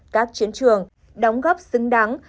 các chiến trường đóng góp xứng đáng